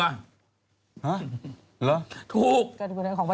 เหรอ